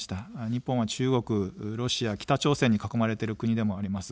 日本は中国、ロシア、北朝鮮に囲まれている国でもあります。